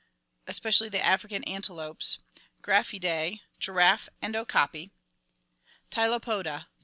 Especially the African antelopes. Giraffidae. Giraffe and okapi. Tylopoda.